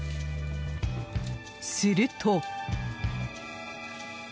すると。